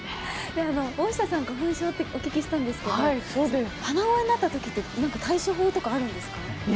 大下さん、花粉症ってお聞きしたんですけど鼻声になった時対処法とかあるんですか？